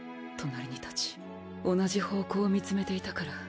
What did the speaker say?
隣に立ち同じ方向を見つめていたから